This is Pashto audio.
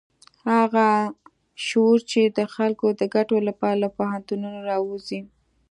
هغه شعور چې د خلکو د ګټو لپاره له پوهنتونونو راوزي.